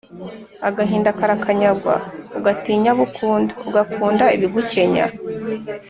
agahinda karakanyagwa, ugatinya abo ukunda, ugakunda ibigukenya